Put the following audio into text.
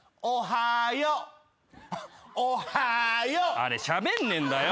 あれしゃべんねえんだよ！